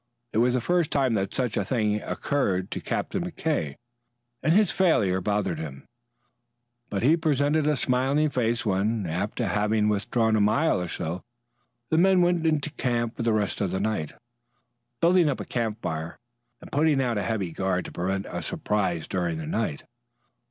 It was the first time that such a thing had occurred to Captain McKay and his failure bothered him, but he presented a smiling face when, after having withdrawn a mile or so, the men went into camp for the rest of the night, building up a campfire and putting out a heavy guard to prevent a surprise during the night.